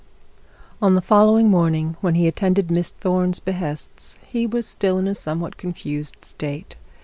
On the following morning, when he attended Miss Thorne's behests, he was still in a somewhat confused state.